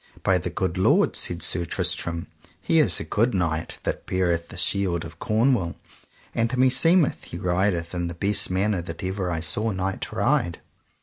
By the good lord, said Sir Tristram, he is a good knight that beareth the shield of Cornwall, and meseemeth he rideth in the best manner that ever I saw knight ride.